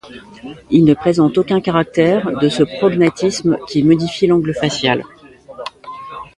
Il ne présente aucun caractère de ce prognathisme qui modifie l’angle facial.